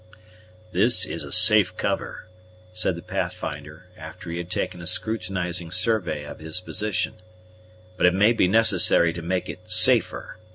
"This is a safe cover," said the Pathfinder, after he had taken a scrutinizing survey of his position; "but it may be necessary to make it safer.